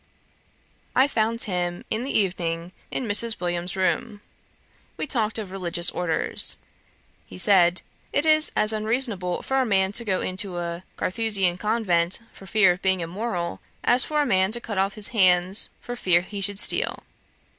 I found him in the evening in Mrs. Williams's room. We talked of religious orders. He said, 'It is as unreasonable for a man to go into a Carthusian convent for fear of being immoral, as for a man to cut off his hands for fear he should steal.